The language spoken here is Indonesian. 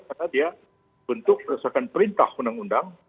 karena dia bentuk berdasarkan perintah undang undang